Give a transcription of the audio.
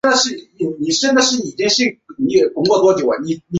把二溴甲烷释放于土壤中会使之蒸发及在土地中过滤。